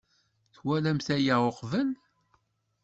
Twalamt aya uqbel?